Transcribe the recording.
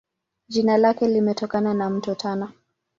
Jina lake limetokana na Mto Tana.